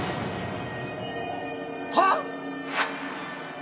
はっ！？